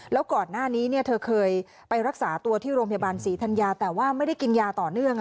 แล้วก่อนหน้านี้เธอเคยไปรักษาตัวที่โรงพยาบาลศรีธัญญาแต่ว่าไม่ได้กินยาต่อเนื่อง